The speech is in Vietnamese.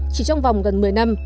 chỉ trong vòng gần một mươi năm